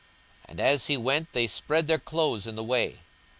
42:019:036 And as he went, they spread their clothes in the way.